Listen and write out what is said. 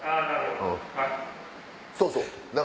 そうそう！